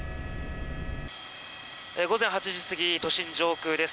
午前８時過ぎ都心上空です。